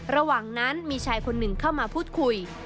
ระหว่างนั้นมีชายคนหนึ่งเข้ามาพูดคุย